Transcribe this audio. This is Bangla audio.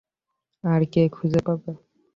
আর কে খুঁজে পাবে?